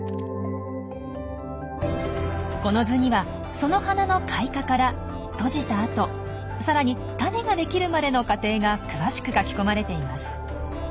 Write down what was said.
この図にはその花の開花から閉じたあとさらに種ができるまでの過程が詳しく書き込まれています。